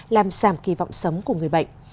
làm giảm kỳ vọng sống của người bệnh